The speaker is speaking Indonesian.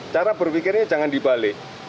cara berpikirnya jangan dibalik